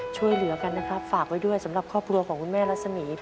ช่วยเหลือกันนะครับฝากไว้ด้วยสำหรับครอบครัวของคุณแม่รัศมี